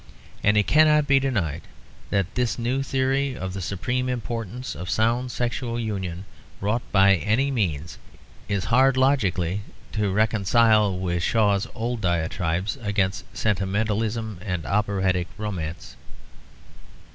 And it cannot be denied that this new theory of the supreme importance of sound sexual union, wrought by any means, is hard logically to reconcile with Shaw's old diatribes against sentimentalism and operatic romance.